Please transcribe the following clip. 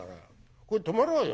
ここへ泊まろうよ。